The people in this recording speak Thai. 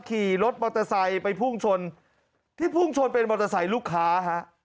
ขี่รถมอเตอร์ไซค์ไปพุ่งชนที่พุ่งชนเป็นมอเตอร์ไซค์ลูกค้าฮะ